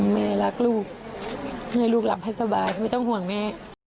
แม่รักลูกให้ลูกหลับให้สบายไม่ต้องห่วงแม่